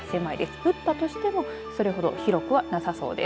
降ったとしても、それほど広くはなさそうです。